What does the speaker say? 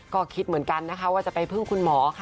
ก็คิดเหมือนกันนะคะว่าจะไปพึ่งคุณหมอค่ะ